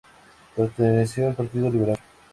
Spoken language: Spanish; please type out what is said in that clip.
Perteneció al Partido Liberal.